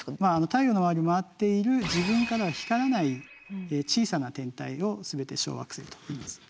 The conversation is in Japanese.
太陽の周りを回っている自分からは光らない小さな天体を全て小惑星といいます。